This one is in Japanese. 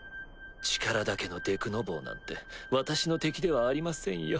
力だけのでくの坊なんて私の敵ではありませんよ。